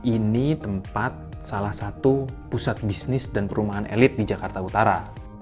ini tempat salah satu pusat bisnis dan perumahan elit di jakarta utara